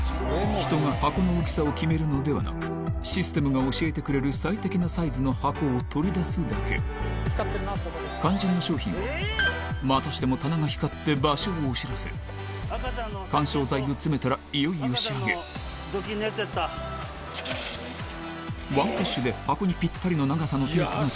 人が箱の大きさを決めるのではなくシステムが教えてくれる最適なサイズの箱を取り出すだけ肝心な商品はまたしても棚が光って場所をお知らせ緩衝材を詰めたらいよいよ仕上げワンプッシュで箱に最後にここで小杉Ａｍａｚｏｎに